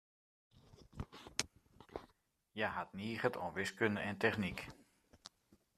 Hja hat niget oan wiskunde en technyk.